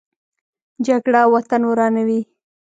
جګړه وطن ورانوي